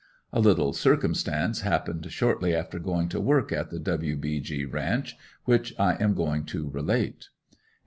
A little circumstance happened shortly after going to work at the "W. B. G." ranch which I am going to relate.